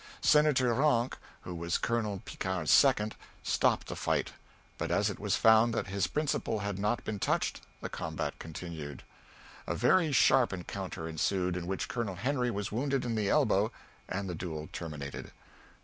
Senator Ranc, who was Colonel Picquart's second, stopped the fight, but as it was found that his principal had not been touched, the combat continued. A very sharp encounter ensued, in which Colonel Henry was wounded in the elbow, and the duel terminated."